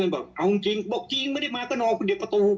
บอกเอาจริงบอกจริงไม่ได้มาก็นอนคนเดียวประตู